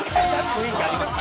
雰囲気ありますね。